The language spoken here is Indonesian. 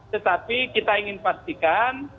tetapi kita ingin pastikan